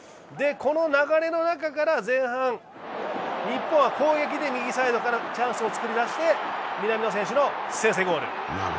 この流れの中から前半、日本は攻撃で右サイドからチャンスを作り出して南野選手の先制ゴール。